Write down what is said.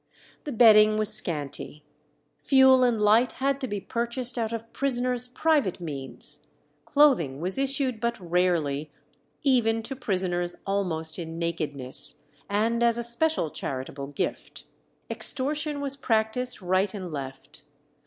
The bedding was scanty; fuel and light had to be purchased out of prisoners' private means; clothing was issued but rarely, even to prisoners almost in nakedness, and as a special charitable gift. Extortion was practised right and left.